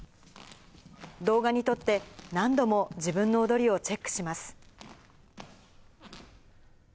動画に撮って、何度も自分の踊りをチェックします。